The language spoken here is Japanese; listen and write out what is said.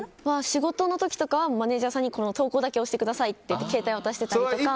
仕事の時とかはマネジャーさんに投稿だけ押してくださいって携帯を渡したりとか。